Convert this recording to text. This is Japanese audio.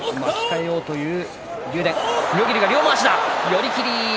寄り切り。